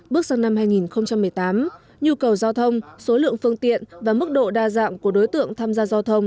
bước sang năm hai nghìn một mươi tám nhu cầu giao thông số lượng phương tiện và mức độ đa dạng của đối tượng tham gia giao thông